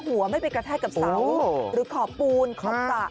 หัวไม่ไปกระแทกกับเสาหรือขอบปูนขอบสระ